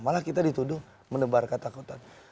malah kita dituduh menebar ketakutan